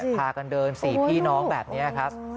พากันเดิน๔พี่น้องแบบนี้ครับ